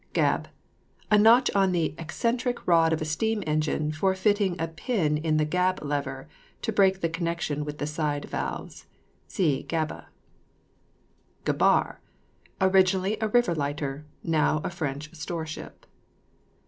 GAB. A notch on the eccentric rod of a steam engine for fitting a pin in the gab lever to break the connection with the slide valves. (See GABBE.) GABARRE. Originally a river lighter; now a French store ship.